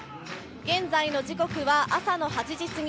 現在の時刻は朝の８時過ぎ。